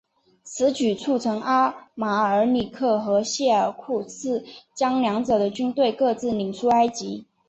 此举促成阿马尔里克和谢尔库赫将两者的军队各自领出埃及。